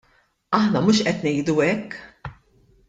Aħna mhux qed ngħidu hekk.